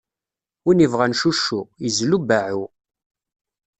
Win ibɣan cuccu, izlu beɛɛu!